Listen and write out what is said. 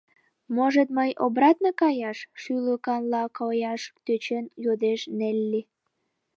Может мый обратно каяш? — шӱлыканла кояш тӧчен йодеш Нелли.